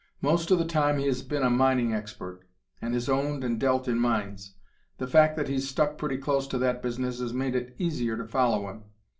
Most of the time he has been a mining expert, and has owned and dealt in mines; the fact that he's stuck pretty close to that business has made it easier to follow him.